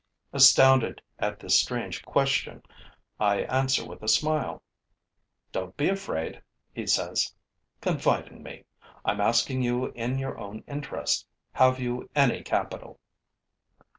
Astounded at this strange question, I answer with a smile. 'Don't be afraid,' he says. 'Confide in me. I'm asking you in your own interest. Have you any capital?'